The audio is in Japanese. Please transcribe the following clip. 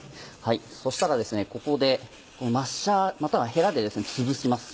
そしたらここでマッシャーまたはヘラでつぶします。